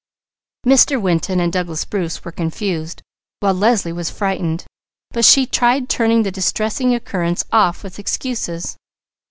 Mr. Winton and Douglas Bruce were confused, while Leslie was frightened, but she tried turning the distressing occurrence off with excuses.